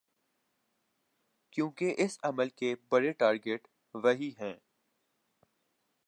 کیونکہ اس عمل کے بڑے ٹارگٹ وہی ہیں۔